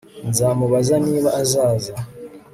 Nzamubaza niba azaza